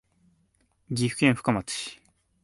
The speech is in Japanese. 岐阜県富加町